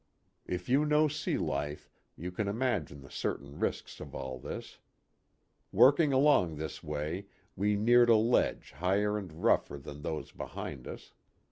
68 A PICNIC NEAR THE EQUATOR. If you know sea life you can imagine the certain risks of all this. Working along this way we neared a ledge higher and rougher than those behind us.